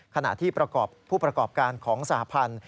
ขณะที่ประกอบผู้ประกอบการของสหพันธ์